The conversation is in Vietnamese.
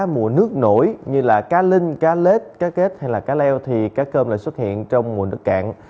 mùa nước nổi như là cá linh cá lết cá kết hay là cá leo thì cá cơm lại xuất hiện trong mùa nước cạn